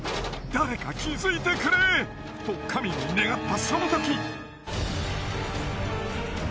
誰か気づいてくれ！と神に願ったそのとき。